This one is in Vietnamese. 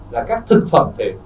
là các thực phẩm thể hình